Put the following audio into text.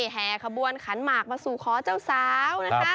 แห่ขบวนขันหมากมาสู่ขอเจ้าสาวนะคะ